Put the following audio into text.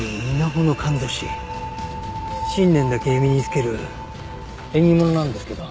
新年だけ身につける縁起物なんですけど。